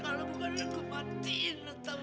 kalau bukan aku matiin lo tam